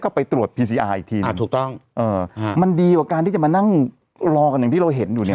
ก็ไปตรวจอ่าถูกต้องเออมันดีกว่าการที่จะมานั่งรอกันอย่างที่เราเห็นอยู่เนี้ย